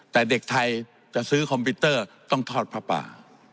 แต่เด็กไทยจะซื้อคอมพิวเตอร์ต้องทอดผ้าป่า